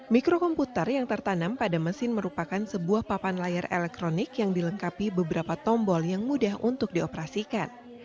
mikrokomputer yang tertanam pada mesin merupakan sebuah papan layar elektronik yang dilengkapi beberapa tombol yang mudah untuk dioperasikan